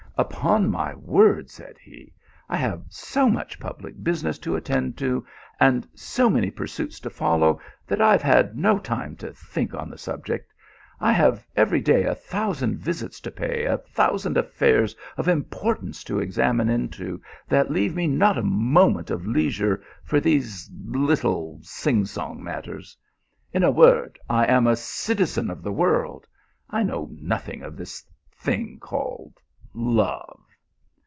" Upon my word," said he, " I have so much public business to attend to, and so many pursuits to follow, that I have had no time to think on the subject. I have every clay a thousand visits to pay ; a thousand affairs of importance to examine into, that leave me not a moment of leisure for these little sing song matters. In a word, I am a citizen of the world. I know nothing of this thing called love."